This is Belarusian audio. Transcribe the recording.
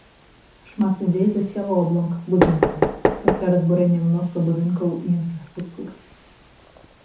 Шмат людзей засела ў абломках будынкаў, пасля разбурэння мноства будынкаў і інфраструктуры.